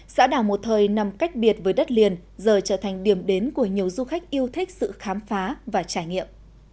xã đảo một thời nằm cách biệt với đất liền giờ trở thành điểm đến của nhiều du khách yêu thích sự khám phá và trải nghiệm